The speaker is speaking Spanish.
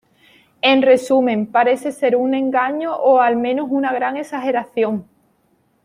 En resumen, parece ser un engaño o al menos una gran exageración".